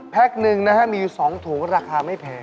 แพ็กหนึ่งนะครับมี๒ถุงราคาไม่แพง